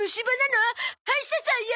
歯医者さんやだ！